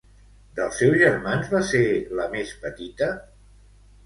Dels seus germans va ser la més petita?